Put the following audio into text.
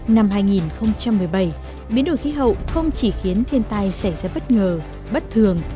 năm hai nghìn một mươi bảy biến đổi khí hậu không chỉ khiến thiên tai xảy ra bất ngờ bất thường